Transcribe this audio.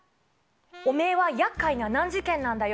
オメーはやっかいな難事件なんだよ。